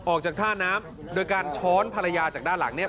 ออกจากท่าน้ำโดยการช้อนภรรยาจากด้านหลังเนี่ย